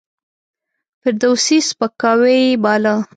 فردوسي سپکاوی باله.